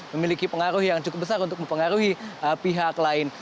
memiliki pengaruh yang cukup besar untuk mempengaruhi pihak lain